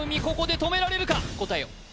ここで止められるか答えを